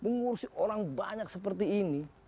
mengurusi orang banyak seperti ini